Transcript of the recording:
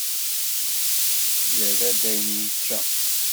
Yerra-d ayen i yečča.